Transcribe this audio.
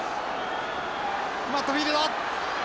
マットフィールド。